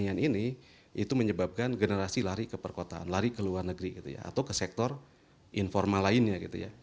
dan pertanian ini itu menyebabkan generasi lari ke perkotaan lari ke luar negeri atau ke sektor informal lainnya